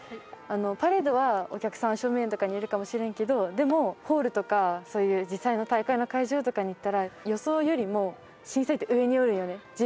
パレードはお客さん、正面とかにいるかもしれないけど、でもホールとか、そういう実際の大会の会場とかに行ったら、予想よりも審査員って上におるんやね。